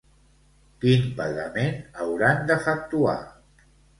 Quin pagament hauran d'efectuar?